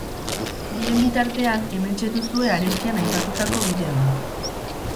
Bien bitartean hementxe duzue arestian aipatutako bideoa.